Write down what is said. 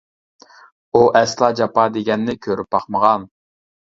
ئۇ ئەسلا جاپا دېگەننى كۆرۈپ باقمىغان.